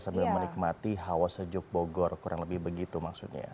sambil menikmati hawa sejuk bogor kurang lebih begitu maksudnya